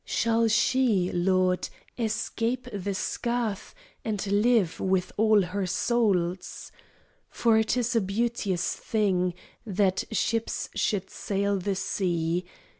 Shall she, Lord, escape the scath And live, with all her souls? For it is a beauteous thing That ships should sail the sea.